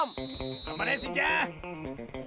がんばれスイちゃん！